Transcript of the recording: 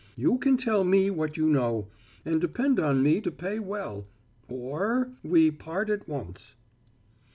"You can tell me what you know, and depend on me to pay well, or we part at once."